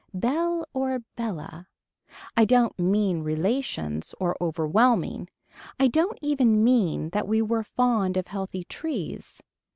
Belle or Bella. I don't mean relations or overwhelming. I don't even mean that we were fond of healthy trees.